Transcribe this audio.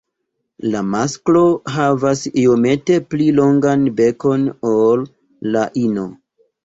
La masklo havas iomete pli longan bekon ol la ino.